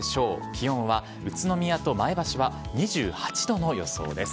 気温は宇都宮と前橋は２８度の予想です。